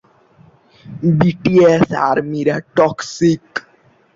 রামের গোপাল ভার্মা তাঁর স্বামীর জীবন অবলম্বনে "রক্ত চরিত্র" চলচ্চিত্রটি তৈরি করেছিলেন।